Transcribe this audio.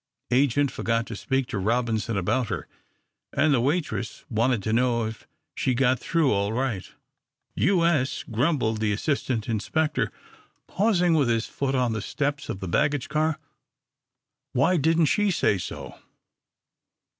Agent forgot to speak to Robinson about her, and the waitress wanted to know if she got through all right." "U. S.," grumbled the assistant inspector, pausing with his foot on the steps of the baggage car, "why didn't she say so?"